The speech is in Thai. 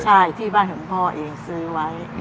ใช่ที่บ้านของพ่อเองซื้อไว้